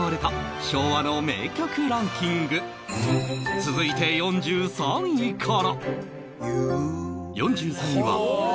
続いて４３位から